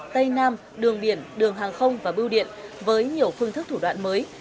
tây nam đường biển đường hàng không và bưu điện với nhiều phương thức thủ đoạn mới